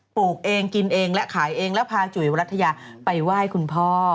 ปลูกเองกินเองและขายเองแล้วพาจุ๋ยวรัฐยาไปไหว้คุณพ่อ